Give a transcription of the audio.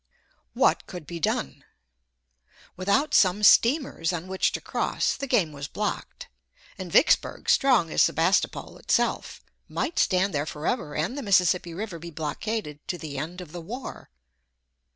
What could be done? Without some steamers on which to cross, the game was blocked, and Vicksburg, strong as Sebastopol itself, might stand there forever and the Mississippi River be blockaded to the end of the war.